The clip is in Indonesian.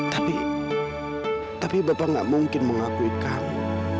tapi tapi bapak nggak mungkin mengakui kamu